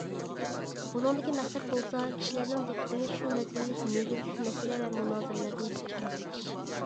بۇنىڭدىكى مەقسەت بولسا كىشىلەرنىڭ دىققىتىنى شۇ مەزگىللىك نېگىزلىك مەسىلە ۋە مۇنازىرىلەردىن چالغىتىش.